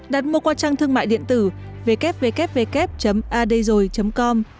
đặt mua qua trang thương mại điện tử www adayzori com